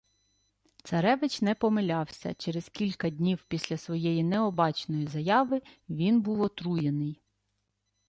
Царевич не помилявся: через кілька днів після своєї необачної заяви він був отруєний